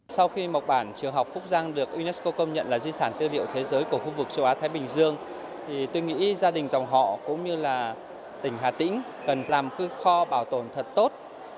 sau khi mộc bản trường học phúc giang được unesco công nhận là di sản tư liệu thế giới của khu vực châu á thái bình dương tôi nghĩ gia đình dòng họ cũng như là tỉnh hà tĩnh cần làm kho bảo tồn thật tốt